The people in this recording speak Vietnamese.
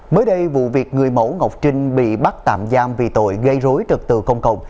mới đây vụ việc người mẫu ngọc trinh bị bắt tạm giam vì tội gây rối trật tự công cộng